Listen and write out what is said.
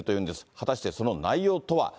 果たしてその内容とは。